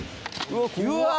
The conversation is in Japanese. うわ！